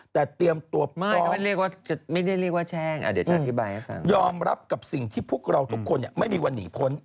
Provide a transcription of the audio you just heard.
แต่เตรียมตัวต้องยอมรับกับสิ่งที่พวกเราทุกคนไม่มีวันหนีพ้น